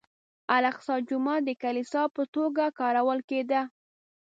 الاقصی جومات د کلیسا په توګه کارول کېده.